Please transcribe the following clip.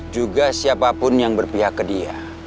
juga siapapun yang berpihak ke dia